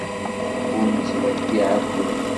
Ur nettḍeyyiɛ akud.